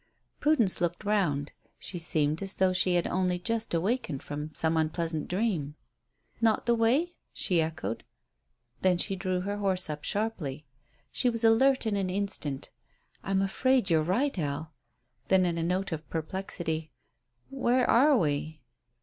Prudence looked round; she seemed as though she had only just awakened from some unpleasant dream. "Not the way?" she echoed. Then she drew her horse up sharply. She was alert in an instant. "I'm afraid you're right, Al." Then in a tone of perplexity, "Where are we?"